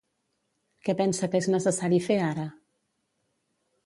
Què pensa que és necessari fer ara?